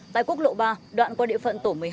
tại quốc lộ ba đoạn qua địa phận tổ một mươi hai